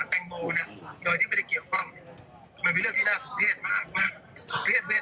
แตงโมน่ะรวมมีเรื่องที่น่าสมเทศบ้างสมเทศเวทนานะครับ